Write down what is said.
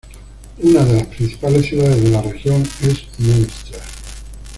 Una de las principales ciudades de la región es Münster.